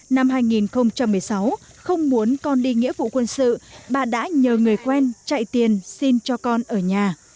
năm hai nghìn một mươi sáu không muốn con đi nghĩa vụ quân sự bà đã nhờ người quen chạy tiền xin cho con ở nhà